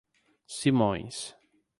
Simões